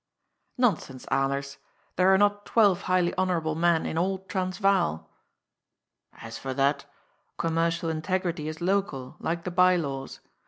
" Nonsense, Alers. There are not twelve highly honour able men in all Transvaal." " As for that, commercial integrity is local, like the bye laws.